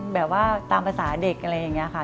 แบบว่าตามภาษาเด็กอะไรอย่างนี้ค่ะ